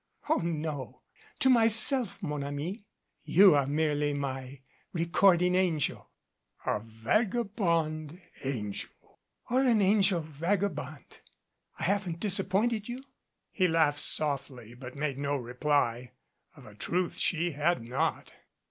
"Oh, no. ,To myself, mon ami. You are merely my recording angel." 150 THE FABIANI FAMILY "A vagabond angel " "Or an angel vagabond. I haven't disappointed you?" He laughed softly, but made no reply. Of a truth, she had not.